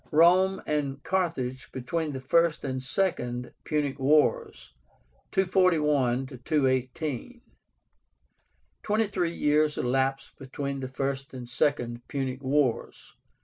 ROME AND CARTHAGE BETWEEN THE FIRST AND SECOND PUNIC WARS (241 218). Twenty three years elapsed between the First and Second Punic Wars.